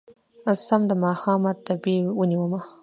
سم د ماښامه تبې ونيومه